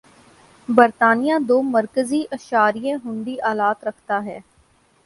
برطانیہ دو مرکزی اشاریہ ہُنڈی آلات رکھتا ہے